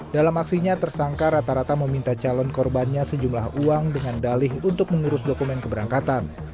dalam aksinya tersangka rata rata meminta calon korbannya sejumlah uang dengan dalih untuk mengurus dokumen keberangkatan